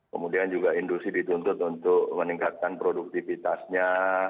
kemudian juga industri dituntut untuk meningkatkan produktivitasnya